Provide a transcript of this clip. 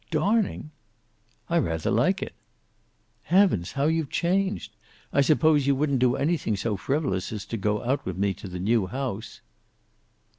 Darning!" "I rather like it." "Heavens, how you've changed! I suppose you wouldn't do anything so frivolous as to go out with me to the new house."